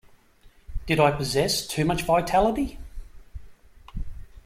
Did I possess too much vitality.